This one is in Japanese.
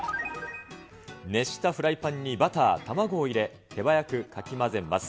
熱したフライパンにバター、卵を入れ、手早くかき混ぜます。